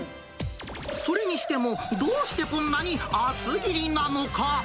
それにしても、どうしてこんなに厚切りなのか？